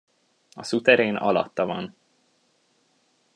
A szuterén alatta van.